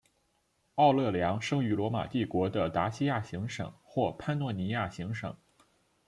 奥勒良生于罗马帝国的达西亚行省或潘诺尼亚行省。